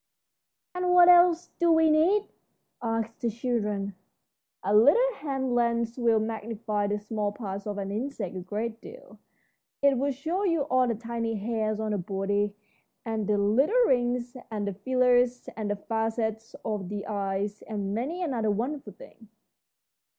"And what else do we need?" asked the children. "A little hand lens will magnify the small parts of an insect a great deal. It will show you all the tiny hairs on the body, and the little rings and the feelers and the facets of the eyes, and many another wonderful thing."